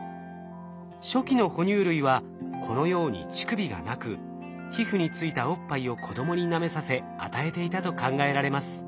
初期の哺乳類はこのように乳首がなく皮膚についたおっぱいを子供になめさせ与えていたと考えられます。